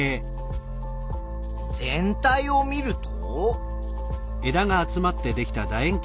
全体を見ると。